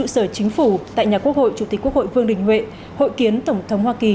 sau cuộc hội kỳ